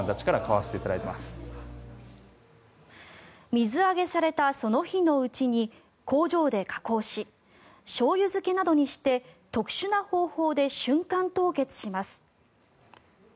水揚げされたその日のうちに工場で加工ししょうゆ漬けなどにして特殊な方法で瞬間凍結します。